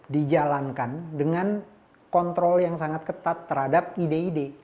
dijalankan dengan kontrol yang sangat ketat terhadap ide ide